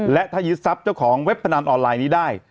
และถ้ายึดทรัพย์เจ้าของเว็บพนันออนไลน์นี้ได้